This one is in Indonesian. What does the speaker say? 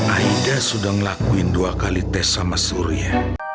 aida sudah ngelakuin dua kali tes sama surya